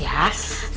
iya di sini aja